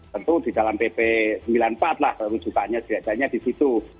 tentu di dalam pp sembilan puluh empat lah terujukannya diajaknya di situ